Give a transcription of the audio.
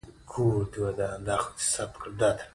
شاعري یې د ډیورند کرښې دواړو غاړو ته بدلون راوست.